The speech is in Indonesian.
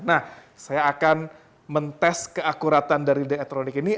nah saya akan mentes keakuratan dari diatronik ini